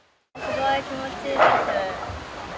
ごい気持ちいいです。